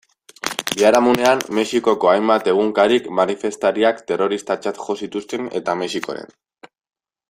Biharamunean, Mexikoko hainbat egunkarik manifestariak terroristatzat jo zituzten eta Mexikoren.